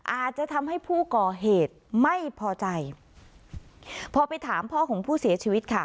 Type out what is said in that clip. อาจจะทำให้ผู้ก่อเหตุไม่พอใจพอไปถามพ่อของผู้เสียชีวิตค่ะ